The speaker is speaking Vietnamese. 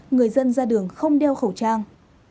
người dân ra đường không đeo khẩu trang